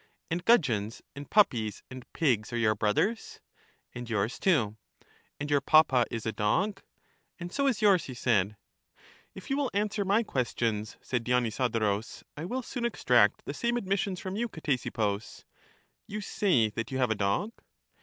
And gudgeons and puppies and pigs are your brothers. And yours too. And your papa is a dog. And so is yours, he said. If you will answer my questions, said Dionysodo rus, I will soon extract the same admissions from you, Ctesippus. You say that you have a dog.